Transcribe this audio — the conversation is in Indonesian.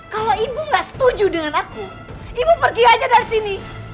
kalau ibu nggak setuju dengan aku ibu pergi aja dari sini